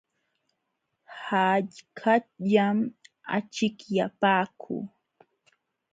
Hawkallam achikyapaakuu.